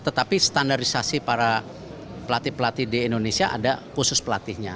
tetapi standarisasi para pelatih pelatih di indonesia ada khusus pelatihnya